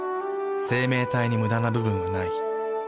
生命体にムダな部分はない。